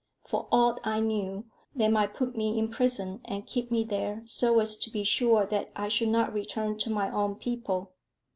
For aught I knew, they might put me in prison and keep me there, so as to be sure that I should not return to my own people.